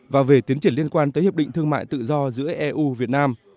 và về tiến triển liên quan tới hiệp định thương mại tự do giữa eu việt nam